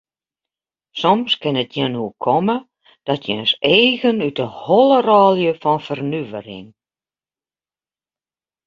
Soms kin it jin oerkomme dat jins eagen út de holle rôlje fan fernuvering.